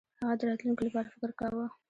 هغه د راتلونکي لپاره فکر کاوه.